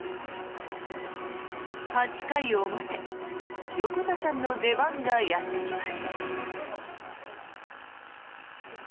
８回表、横田さんの出番がやってきます。